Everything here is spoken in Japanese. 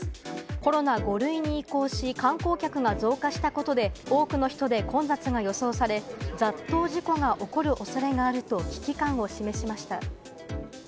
コロナ５類に移行し、観光客が増加したことで多くの人で混雑が予想され、雑踏事故が起こる恐れがあると危機感を示しました。